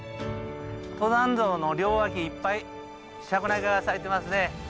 登山道の両脇いっぱいシャクナゲが咲いてますね。